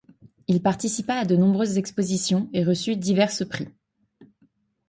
Il participa à de nombreuses expositions et reçu diverses prix.